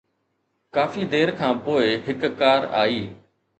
ڪافي دير کان پوءِ هڪ ڪار آئي.